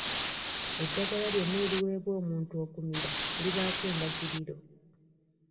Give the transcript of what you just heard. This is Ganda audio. Eddagala lyonna eriweebwa omuntu okumira libaako endagiriro.